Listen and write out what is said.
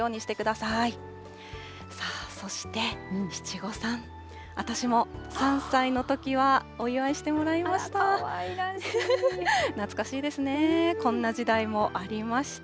さあそして、七五三、私も３歳のときはお祝いしてもらいました。